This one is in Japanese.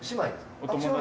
お友達。